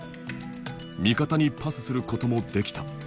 味方にパスすることもできた。